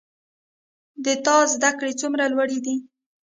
د تا زده کړي څومره لوړي دي